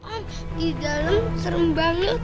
oh di dalam serem banget